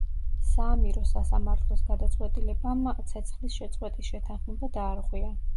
საამიროს სასამრთლოს გადაწყვეტილებამ ცეცხლის შეწყვეტის შეთანხმება დაარღვია.